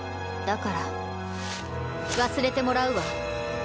だから忘れてもらうわ。